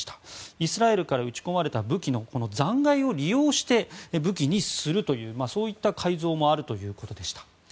イスラエルから撃ち込まれた武器の残骸を利用して武器にするというそういった改造もあるということでした。